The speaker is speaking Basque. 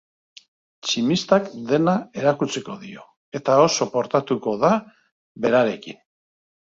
Tximistak dena erakutsiko dio eta oso portatuko da berarekin.